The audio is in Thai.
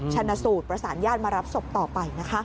ชนะสูตรประสานญาติมารับศพต่อไปนะคะ